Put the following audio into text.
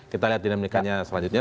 kita lihat dinamikannya selanjutnya